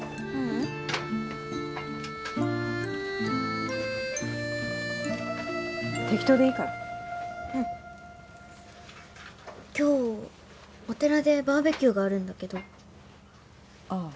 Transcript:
ううん適当でいいからうん今日お寺でバーベキューがあるんだけどあ